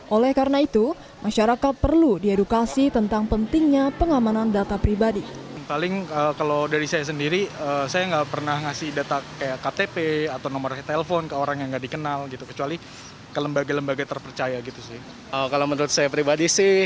oleh karena itu masyarakat perlu diedukasi tentang pentingnya pengamanan data pribadi